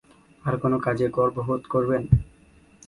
আর কোন কাজে গর্ববোধ করবেন?